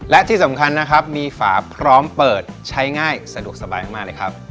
และที่สำคัญนะครับมีฝาพร้อมเปิดใช้ง่ายสะดวกสบายมากเลยครับ